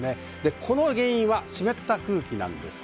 この原因は湿った空気なんです。